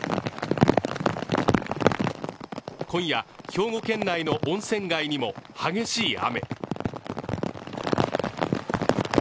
今夜、兵庫県内の温泉街にも激しい雨。